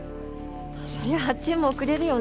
そりゃ発注も遅れるよね。